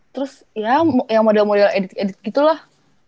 terus ya yang model model edit edit gitu lah